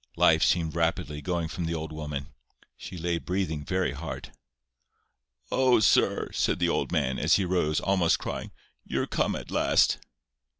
Life seemed rapidly going from the old woman. She lay breathing very hard. "Oh, sir," said the old man, as he rose, almost crying, "you're come at last!"